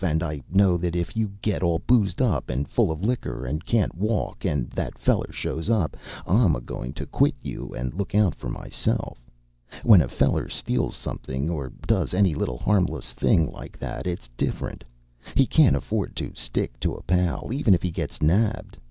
And I know that if you get all boozed up, and full of liquor, and can't walk, and that feller shows up, I'm a goin' to quit you and look out for myself. When a feller steals something, or does any little harmless thing like that, it's different. He can afford to stick to a pal, even if he gets nabbed.